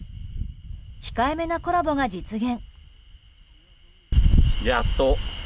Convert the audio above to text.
控えめなコラボが実現。